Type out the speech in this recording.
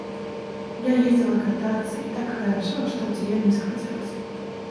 Я ездила кататься, и так хорошо, что в деревню захотелось.